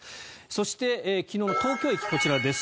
そして、昨日の東京駅こちらです。